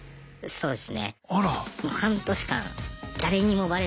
そうです。